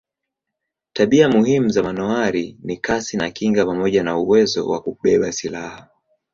Tabia muhimu za manowari ni kasi na kinga pamoja na uwezo wa kubeba silaha.